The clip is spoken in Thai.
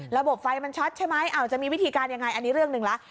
ระบบไฟมันช็อตใช่ไหมจะมีวิธีการยังไงอันนี้เรื่องหนึ่งแล้ว